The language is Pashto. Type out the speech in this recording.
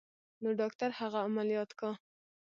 نو ډاکتر هغه عمليات کا.